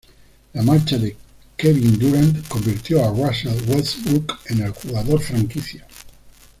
La marcha de Kevin Durant, convirtió a Russell Westbrook en el jugador franquicia.